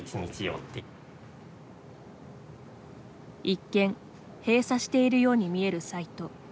一見閉鎖しているように見えるサイト。